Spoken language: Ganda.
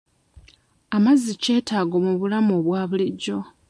Amazzi kyetaago bu bulamu obwa bulijjo.